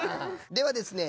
ではですね